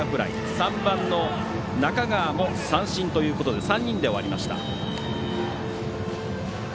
３番の中川も三振ということで３人で終わりました。